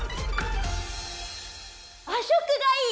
和食がいい！